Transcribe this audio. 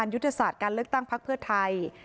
ยุทธศาสตร์การเลือกตั้งพักเพื่อไทย